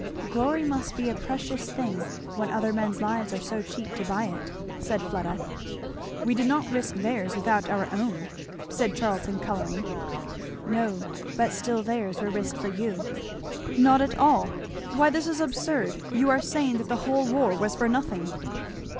"Glory must be a precious thing when other men's lives are so cheap to buy it," said Fleda. "We did not risk theirs without our own," said Charlton colouring. "No, but still theirs were risked for you." "Not at all; why this is absurd! you are saying that the whole war was for nothing."